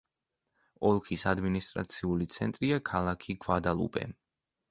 ოლქის ადმინისტრაციული ცენტრია ქალაქი გვადალუპე.